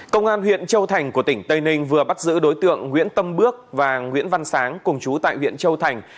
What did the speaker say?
công an huyện châu thành của tỉnh tây ninh vừa bắt giữ đối tượng nguyễn tâm bước và nguyễn văn sáng cùng chú tại huyện châu thành